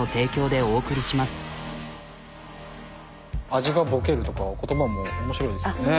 味がぼけるとか言葉も面白いですよね。